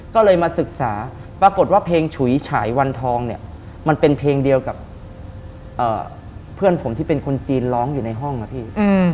ก็เลยมาศึกษาปรากฏว่าเพลงฉุยฉายวันทองเนี่ยมันเป็นเพลงเดียวกับเพื่อนผมที่เป็นคนจีนร้องอยู่ในห้องนะพี่